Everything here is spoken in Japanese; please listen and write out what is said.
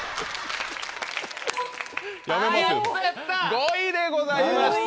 ５位でございました。